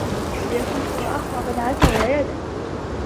لِيَكُونُوا أَقْوَى مَنَعَةً وَيَدًا